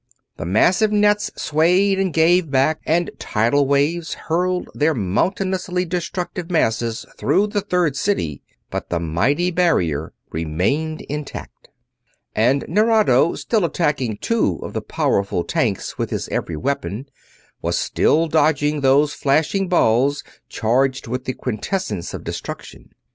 The massive nets swayed and gave back, and tidal waves hurled their mountainously destructive masses through the Third City, but the mighty barrier remained intact. And Nerado, still attacking two of the powerful tanks with his every weapon, was still dodging those flashing balls charged with the quintessence of destruction.